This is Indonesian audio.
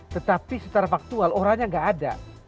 tetapi secara faktual orangnya nggak ada